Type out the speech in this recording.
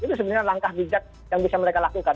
itu sebenarnya langkah bijak yang bisa mereka lakukan